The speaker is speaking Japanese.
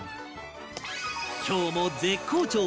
今日も絶好調